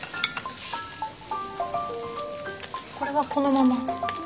これはこのまま？